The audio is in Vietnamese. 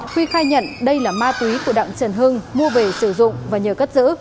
huy khai nhận đây là ma túy của đặng trần hưng mua về sử dụng và nhờ cất giữ